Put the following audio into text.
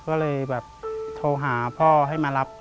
ก็เลยแบบโทรหาพ่อให้มารับ